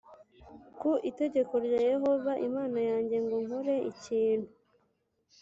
Ku itegeko rya yehova imana yanjye ngo nkore ikintu